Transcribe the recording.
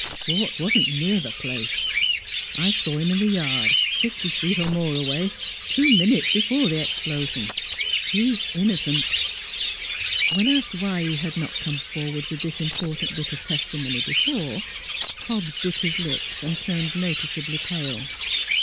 ... Schwartz wasn't near the place. I saw him in the yard fifty feet or more away two minutes before the explosion. He is innocent." When asked why he had not come forward with this important bit of testimony before, Hobbs bit his lip and turned noticeably pale.